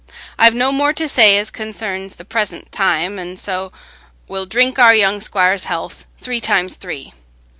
I've no more to say as concerns the present time, an' so we'll drink our young squire's health—three times three."